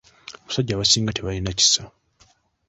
Abasajja abasiga tebalina kisa.